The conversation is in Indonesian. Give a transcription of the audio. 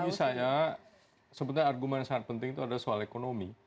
bagi saya sebenarnya argumen yang sangat penting itu adalah soal ekonomi